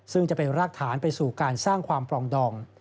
ซึ่งจะเป็นรากฐานไปสู่การสร้างความปลองดอง